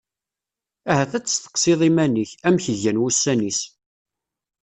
Ahat ad tseqsiḍ iman-ik: Amek gan wussan-is.